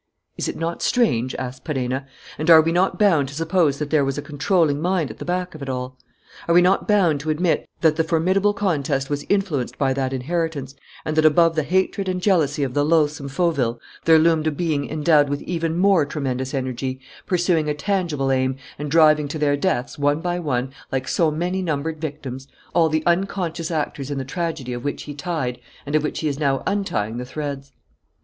"Is it not strange?" asked Perenna, "and are we not bound to suppose that there was a controlling mind at the back of it all? Are we not bound to admit that the formidable contest was influenced by that inheritance, and that, above the hatred and jealousy of the loathsome Fauville, there loomed a being endowed with even more tremendous energy, pursuing a tangible aim and driving to their deaths, one by one, like so many numbered victims, all the unconscious actors in the tragedy of which he tied and of which he is now untying the threads?"